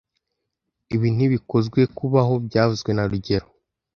Ibi ntibikwizoe kubaho byavuzwe na rugero